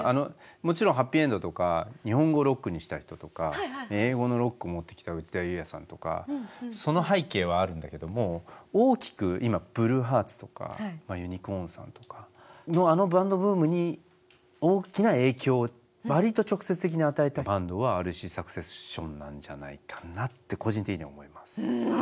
もちろんはっぴいえんどとか日本語をロックにした人とか英語のロックを持ってきた内田裕也さんとかその背景はあるんだけども大きく今ブルーハーツとかＵＮＩＣＯＲＮさんとかのあのバンドブームに大きな影響をわりと直接的に与えたバンドはＲＣサクセションなんじゃないかなって個人的に思います。